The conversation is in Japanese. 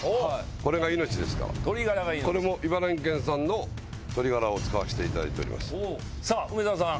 これが命ですからこれも茨城県産の鶏ガラを使わしていただいておりますさあ梅沢さん！